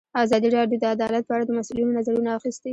ازادي راډیو د عدالت په اړه د مسؤلینو نظرونه اخیستي.